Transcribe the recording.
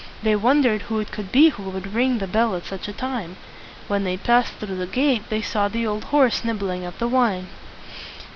They wondered who it could be who would ring the bell at such a time. When they passed through the gate, they saw the old horse nibbling at the vine.